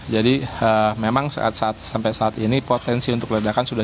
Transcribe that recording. karena memang kan di situ tempat yang memang potensi bahaya bagi anggota